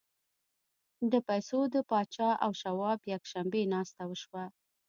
د پیسو د پاچا او شواب یکشنبې ناسته وشوه